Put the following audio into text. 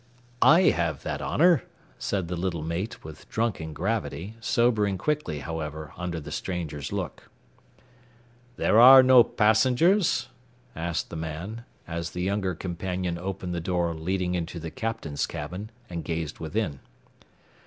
"I have that honor," said the little mate, with drunken gravity, sobering quickly, however, under the stranger's look. "There are no passengers?" asked the man, as the younger companion opened the door leading into the captain's cabin and gazed within.